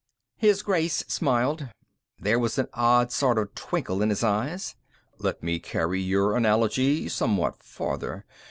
His Grace smiled. There was an odd sort of twinkle in his eyes. "Let me carry your analogy somewhat farther.